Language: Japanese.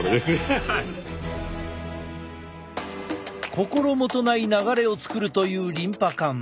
心もとない流れを作るというリンパ管。